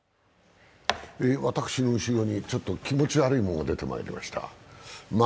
私の後ろに、ちょっと気持ち悪いものが出てまいりました。